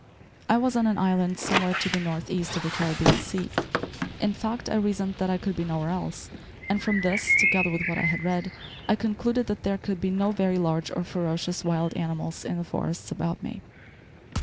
I was on an island somewhere to the northeast of the Caribbean sea, in fact, I reasoned that I could be nowhere else; and from this, together with what I had read, I concluded that there could be no very large or ferocious wild animals in the forests about me.